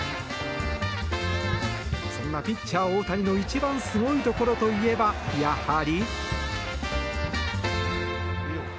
そんなピッチャー大谷の一番すごいところといえばやはり。